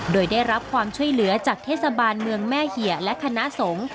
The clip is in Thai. โดยได้รับความช่วยเหลือจากเทศบาลเมืองแม่เหี่ยและคณะสงฆ์